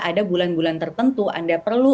ada bulan bulan tertentu anda perlu